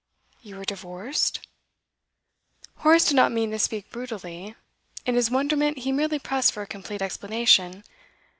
'You were divorced?' Horace did not mean to speak brutally; in his wonderment he merely pressed for a complete explanation.